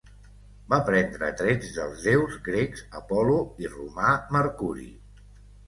Va prendre trets dels déus grecs Apol·lo i romà Mercuri.